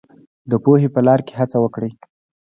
د پوهې په لار کې هڅه وکړئ.